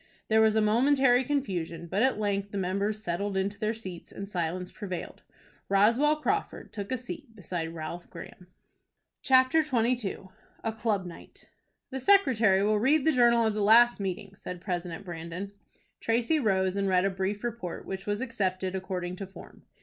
There was a momentary confusion, but at length the members settled into their seats, and silence prevailed. Roswell Crawford took a seat beside Ralph Graham. CHAPTER XXII. A CLUB NIGHT. "The secretary will read the journal of the last meeting," said President Brandon. Tracy rose, and read a brief report, which was accepted, according to form.